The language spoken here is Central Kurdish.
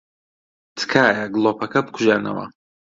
تکایە گڵۆپەکە بکوژێنەوە.